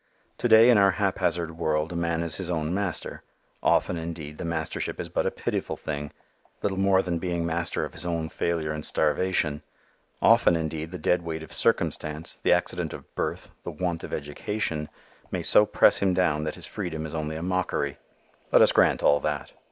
To day in our haphazard world a man is his own master; often indeed the mastership is but a pitiful thing, little more than being master of his own failure and starvation; often indeed the dead weight of circumstance, the accident of birth, the want of education, may so press him down that his freedom is only a mockery. Let us grant all that.